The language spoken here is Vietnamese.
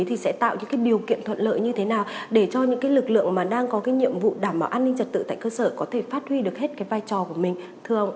nhiệm vụ đảm bảo an ninh trật tự tại cơ sở có thể phát huy được hết cái vai trò của mình